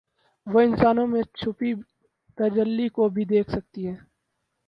وہ انسانوں میں چھپی تجلی کو بھی دیکھ سکتی ہیں